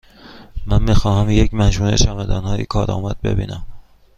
من می خواهم یک مجموعه چمدانهای کارآمد ببینم.